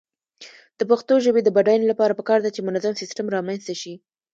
د پښتو ژبې د بډاینې لپاره پکار ده چې منظم سیسټم رامنځته شي.